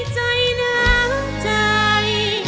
ใจหนังใจ